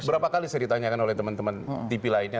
berapa kali saya ditanyakan oleh teman teman tv lainnya